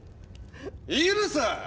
いるさ！